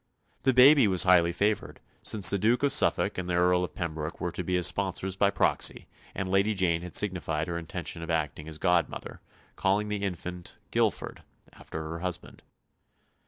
The baby was highly favoured, since the Duke of Suffolk and the Earl of Pembroke were to be his sponsors by proxy and Lady Jane had signified her intention of acting as godmother, calling the infant Guilford, after her husband.